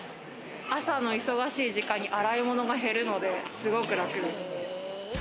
朝の忙しい時間に洗い物が減るのですごく楽です。